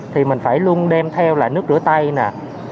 thì mình phải luôn đem theo là nước rửa tay nè